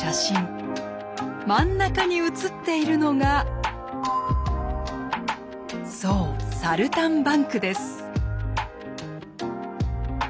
真ん中に写っているのがそう「サルタンバンク」です。